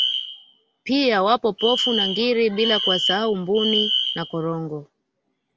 Pia wapo Pofu na Ngiri bila kusahau Mbuni na Korongo